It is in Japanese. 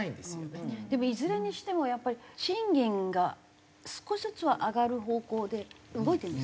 でもいずれにしてもやっぱり賃金が少しずつは上がる方向で動いてるんですか？